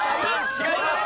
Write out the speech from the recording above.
違います。